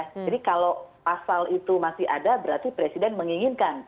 jadi kalau pasal itu masih ada berarti presiden menginginkan